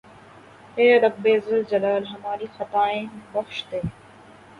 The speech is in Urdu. اے رب ذوالجلال ھماری خطائیں بخش دے